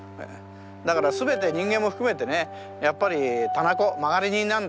だから全て人間も含めてねやっぱり店子間借り人なんですよ。